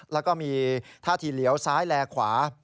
แล้วก็มีท่าทีเหลียวซ้ายแลขวา